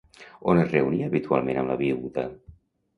On es reunia, habitualment, amb la viuda?